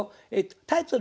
タイトル